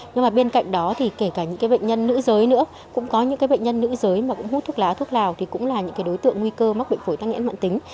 nhưng bên cạnh đó kể cả những bệnh nhân nữ giới hút thuốc lá thuốc lào cũng là những đối tượng nguy cơ mắc bệnh phổi tắc nghẽn mạng tính